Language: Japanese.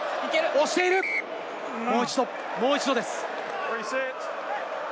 押している、もう一度です。